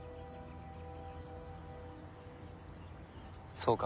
そうか。